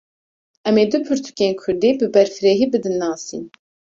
Em ê du pirtûkên Kurdî, bi berfirehî bidin nasîn